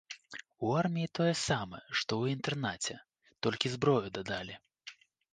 У арміі тое самае, што ў інтэрнаце, толькі зброю дадалі.